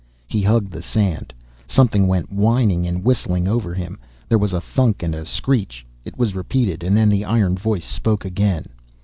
He hugged the sand. Something went whining and whistling over him, there was a thunk and a screech. It was repeated, and then the iron voice spoke again.